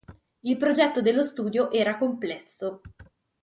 Il progetto dello studio era complesso.